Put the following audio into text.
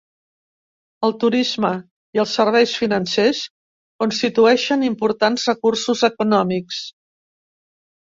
El turisme i els serveis financers constitueixen importants recursos econòmics.